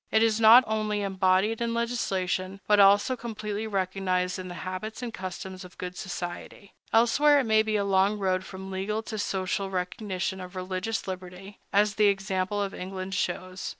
It is not only embodied in legislation, but also completely recognized in the habits and customs of good society. Elsewhere it may be a long road from legal to social recognition of religious liberty, as the example of England shows.